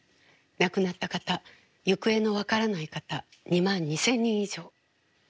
亡くなった方行方の分からない方２万２，０００人以上。